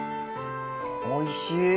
おいしい。